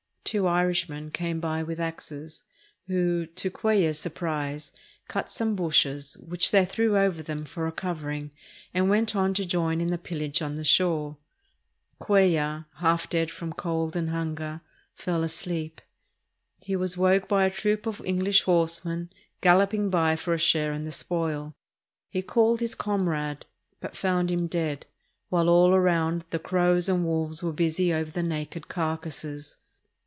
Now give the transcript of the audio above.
Two Irishmen came by with axes, who, to Cuel lar's surprise, cut some bushes, which they threw over them for a covering, and went on to join in the pillage on the shore. Cuellar, half dead from cold and hunger, fell asleep. He was woke by a troop of English horse men galloping by for a share in the spoil. He called his comrade, but found him dead, while all round the crows and wolves were busy over the naked carcasses.